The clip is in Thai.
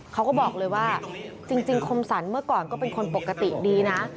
เขาก็บอกเลยว่าจริงคมสรรเมื่อก่อนก็เป็นคนปกติดีนะ